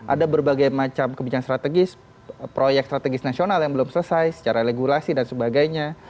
ada berbagai macam kebijakan strategis proyek strategis nasional yang belum selesai secara regulasi dan sebagainya